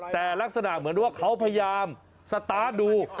แต่ลักษณะเหมือนว่าเขาพยายามสตาร์ทดู